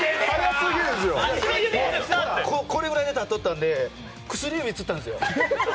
これぐらいで立っといたんで薬指つったんですよ。